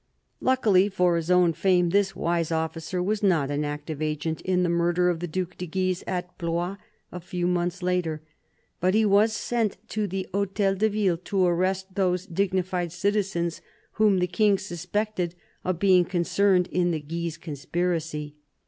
Luckily for his own fame, this "wise officer" was not an active agent in the murder of the Due de Guise at Blois, a few months later. But he was sent to the Hdtel de Ville to arrest those dignified citizens whom the King suspected of being concerned in the Guise conspiracy.